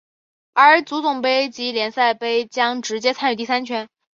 而足总杯及联赛杯将直接参与第三圈。